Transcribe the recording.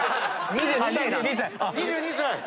２２歳！